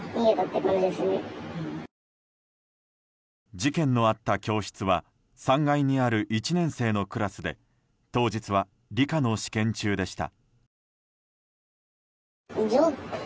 事件のあった教室は３階にある１年生のクラスで当日は理科の試験中でした。